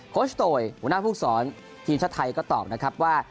โชชโตยหัวหน้าภูมิสอนทีมชาติไทยก็ตอบนะครับว่า